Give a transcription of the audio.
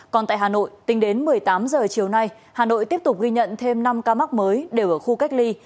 còn tại hà nội tính đến một mươi tám h chiều nay hà nội tiếp tục ghi nhận thêm năm ca mắc mới đều ở khu cách ly